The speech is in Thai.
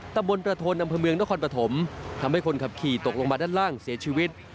ตำบลประทนอำเภอเมืองนครปฐมทำให้คนขับขี่ตกลงมาด้านล่างเสียชีวิต